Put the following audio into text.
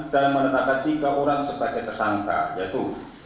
dan menetapkan tiga orang sebagai tersangka yaitu